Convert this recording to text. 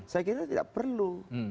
saya kira tidak perlu